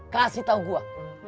kasih tau gue